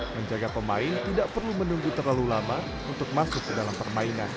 menjaga pemain tidak perlu menunggu terlalu lama untuk masuk ke dalam permainan